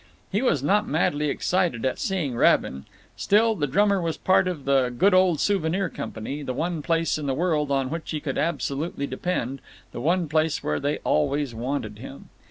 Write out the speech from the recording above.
He was not madly excited at seeing Rabin; still, the drummer was part of the good old Souvenir Company, the one place in the world on which he could absolutely depend, the one place where they always wanted him.